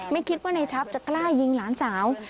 ไม่คิดว่าในชับจะกล้ายิงหลานสาว